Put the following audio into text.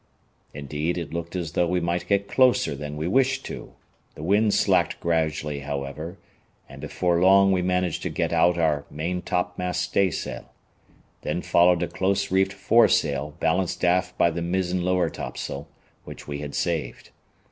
Indeed, it looked as though we might get closer than we wished to. The wind slacked gradually, however, and before long we managed to get out our main topmast staysail. Then followed a close reefed foresail balanced aft by the mizzen lower topsail, which we had saved.